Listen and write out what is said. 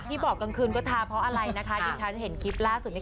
บอกกลางคืนก็ทาเพราะอะไรนะคะที่ฉันเห็นคลิปล่าสุดนี้